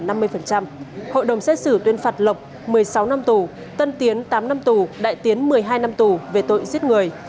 hội đồng xét xử tuyên phạt lộc một mươi sáu năm tù tân tiến tám năm tù đại tiến một mươi hai năm tù về tội giết người